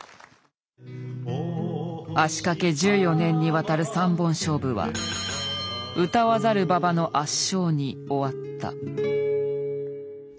足かけ１４年にわたる３本勝負は歌わざる馬場の圧勝に終わった。